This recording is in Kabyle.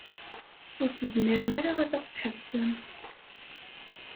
Ur tezmirem ara ad ɣ-tḥebsem.